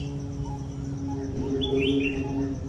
দেখি কয়েকজন যুবক তাঁকে কোপাচ্ছে, এমন অবস্থা দেখে আমরাও চিৎকার করি।